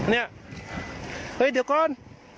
เนี่ยเดี๋ยวก่อน